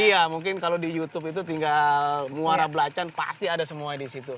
iya mungkin kalau di youtube itu tinggal muara belacan pasti ada semua di situ